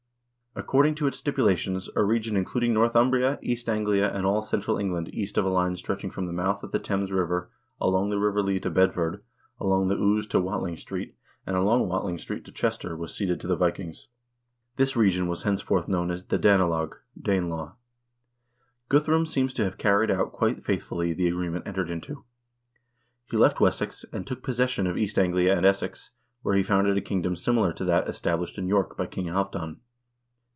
According to its stipulations, a region including Northumbria, East Anglia, and all central England east of a line stretching from the mouth of the Thames River along the River Lea to Bedford, along the Ouse to Watling Street, and along Watling Street to Chester, was ceded to the Vikings. This region was henceforth known as the " Danelag " (Danelaw). Guthrum seems to have carried out quite faithfully the agreement entered into. He left Wessex, and took possession of East Anglia and Essex, where he founded a kingdom similar to that established in York by King Halvdan.